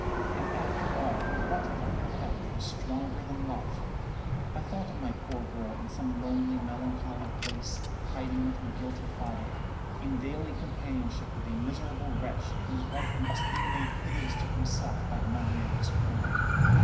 And after all, what under heaven is stronger than love? I thought of my poor girl in some lonely, melancholy place, hiding with her guilty father; in daily companionship with a miserable wretch, whose life must be made hideous to himself by the memory of his crime.